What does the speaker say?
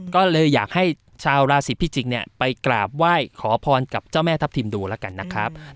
ก็เลยอยากให้ชาวราศีพิจิกเนี่ยไปกราบไหว้ขอพรกับเจ้าแม่ทัพทิมดูแล้วกันนะครับ